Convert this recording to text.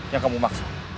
yang kamu maksud